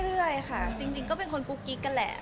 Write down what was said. เรื่อยค่ะจริงก็เป็นคนกุ๊กกิ๊กกันแหละ